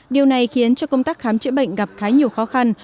điều này khiến cho công tác khám chữa bệnh gặp khá nhiều khó khăn